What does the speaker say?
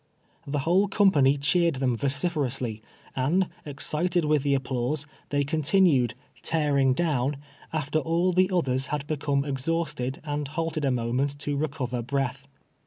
The whole company cheered them vociferously, and, excited with the applause, they continued " tearing down" after all the othei*s had become exhausted and halted a moment to recover breath.